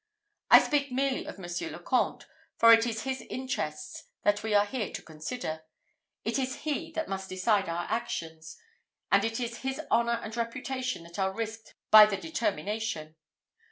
I speak merely of Monsieur le Comte, for it is his interests that we are here to consider; it is he that must decide our actions, and it is his honour and reputation that are risked by the determination.